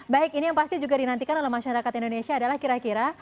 baik ini yang pasti juga dinantikan oleh masyarakat indonesia adalah kira kira